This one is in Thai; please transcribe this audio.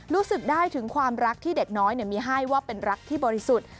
รู้สึกได้ถึงความรักที่เด็กน้อยมีให้ว่าเป็นรักที่บริสุทธิ์